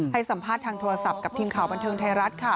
ให้สัมภาษณ์ทางโทรศัพท์กับทีมข่าวบันเทิงไทยรัฐค่ะ